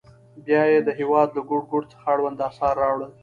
بیا یې د هېواد له ګوټ ګوټ څخه اړوند اثار راوړل.